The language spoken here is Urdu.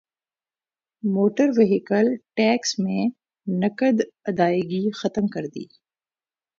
موٹر وہیکل ٹیکس میں نقد ادائیگی ختم کردی